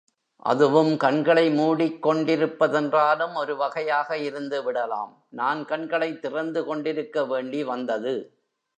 அதுவும் கண்களை மூடிக்கொண்டிருப்பதென்றாலும் ஒரு வகையாக இருந்து விடலாம் நான் கண்களைத் திறந்து கொண்டிருக்க வேண்டி வந்தது!